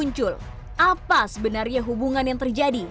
apa sebenarnya hubungan yang terjadi